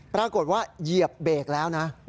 ปรากฏว่าเหยียบเบรกแล้วนะ